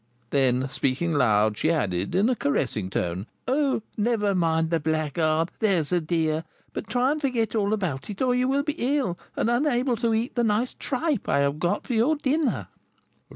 Then speaking loud, she added, in a caressing tone, "Oh, never mind the blackguard, there's a dear, but try and forget all about it, or you will be ill, and unable to eat the nice tripe I have got for your dinner."